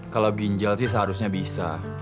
kalau ginjal sih seharusnya bisa